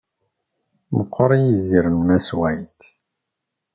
Meqqeṛ yiger n Mass White.